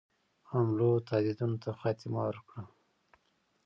حملو تهدیدونو ته خاتمه ورکړه شي.